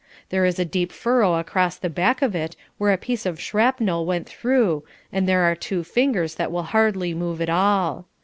There is a deep furrow across the back of it where a piece of shrapnel went through and there are two fingers that will hardly move at all.